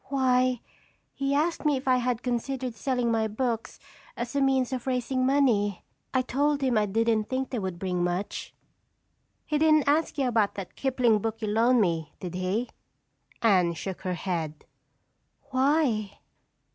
"Why, he asked me if I had considered selling my books as a means of raising money. I told him I didn't think they would bring much." "He didn't ask you about that Kipling book you loaned me, did he?" Anne shook her head. "Why?"